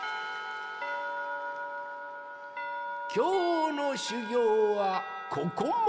きょうのしゅぎょうはここまで。